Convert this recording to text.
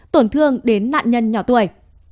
tổn thương đến nạn nhân nhỏ tuổi